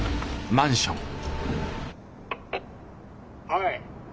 「はい」。